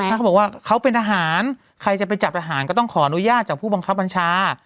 ถ้าเขาบอกว่าเขาเป็นทหารใครจะไปจับทหารก็ต้องขออนุญาตจากผู้บังคับบัญชา